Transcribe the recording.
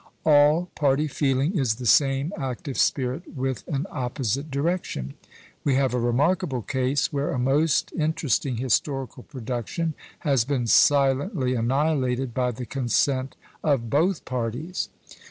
All party feeling is the same active spirit with an opposite direction. We have a remarkable case, where a most interesting historical production has been silently annihilated by the consent of both parties.